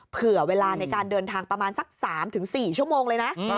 เผื่อเวลาในการเดินทางประมาณสัก๓๔ชั่วโมงเลยนะ